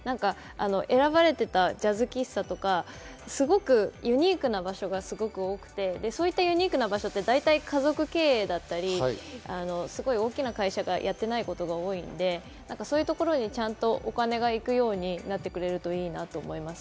選ばれてたジャズ喫茶とか、すごくユニークな場所が多くて、ユニークな場所って大体、家族経営だったり、大きな会社がやっていないことが多いので、そういうところにお金が行くようになってくれるといいなと思います。